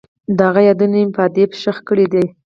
د هغه یادونه مې په ادیب شیخ کې کړې ده.